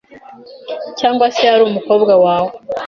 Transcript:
cyangwa se ari umukobwa wawe?